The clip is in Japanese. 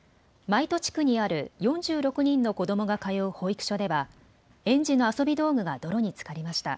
舞戸地区にある４６人の子どもが通う保育所では園児の遊び道具が泥につかりました。